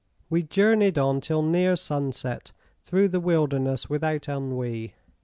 We journeyed on till near sunset through the wilderness without ennui.